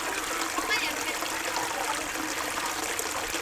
კომპანია რომლის ბიზნესი გლობალური მნიშვნელობისაა